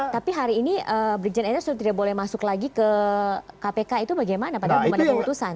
tapi hari ini brigjen endar sudah tidak boleh masuk lagi ke kpk itu bagaimana pada belum ada keputusan